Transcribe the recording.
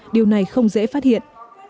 điều này không dễ phát hiện